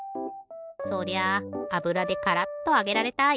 そりゃああぶらでカラッとあげられたい。